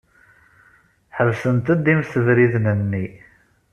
Ḥebsent-d imsebriden-nni.